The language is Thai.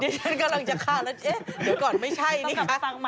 ฉันกำลังจะฆ่าแล้วเอ๊ะเดี๋ยวก่อนไม่ใช่นะคะ